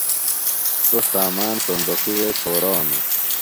سوۡ سامان صُندوقیۡ وے چھورانوۡ۔